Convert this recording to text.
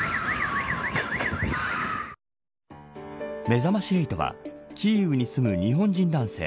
めざまし８はキーウに住む日本人男性